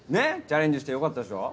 チャレンジしてよかったでしょ？